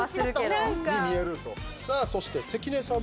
そして関根さん。